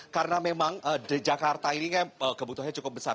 karena memang di jakarta ini kebutuhannya cukup besar